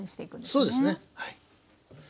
そうですねはい。